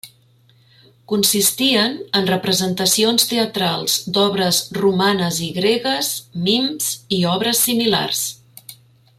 Consistien en representacions teatrals d'obres romanes i gregues, mims i obres similars.